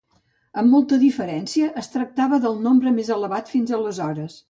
Amb molta diferència, es tractava del nombre més elevat fins aleshores.